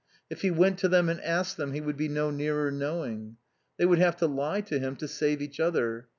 If he went to them and asked them he would be no nearer knowing. They would have to lie to him to save each other.